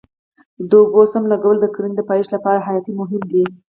د اوبو سم لګول د کرنې د پایښت لپاره حیاتي مهم دی.